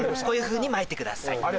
こういうふうにまいてください。